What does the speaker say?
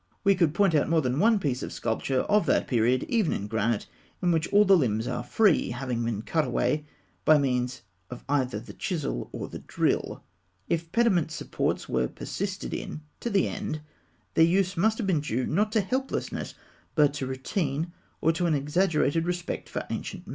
We could point to more than one piece of sculpture of that period, even in granite, in which all the limbs are free, having been cut away by means of either the chisel or the drill. If pediment supports were persisted in to the end, their use must have been due, not to helplessness, but to routine, or to an exaggerated respect for ancient method. [Illustration: Fig.